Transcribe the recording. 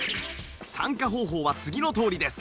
参加方法は次のとおりです